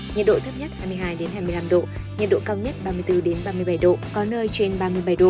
nhiệt độ thấp nhất hai mươi hai hai mươi năm độ nhiệt độ cao nhất ba mươi bốn ba mươi bảy độ có nơi trên ba mươi bảy độ